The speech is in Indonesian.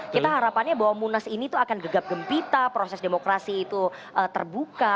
kita harapannya bahwa munas ini tuh akan gegap gempita proses demokrasi itu terbuka